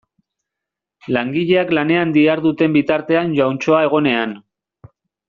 Langileak lanean diharduten bitartean jauntxoa egonean.